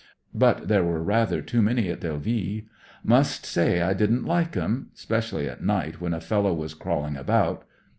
But there were rather too many in Delville. Must say I didn't like 'em ; 'specially at night, when a fellow was crawling about.